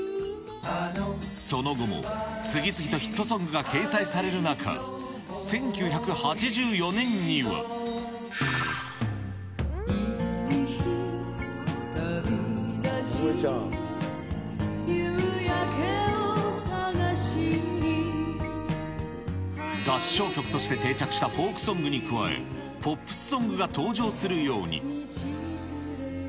その後も、次々とヒットソングが掲載される中、１９８４年には。合唱曲として定着したフォークソングに加え、ポップスソングが登場するように。